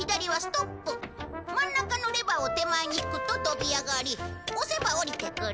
真ん中のレバーを手前に引くと飛び上がり押せば下りてくる。